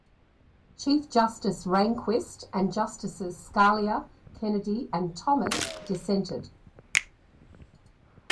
Chief Justice Rehnquist and Justices Scalia, Kennedy, and Thomas dissented.